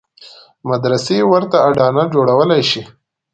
مدرسې ورته اډانه جوړولای شي.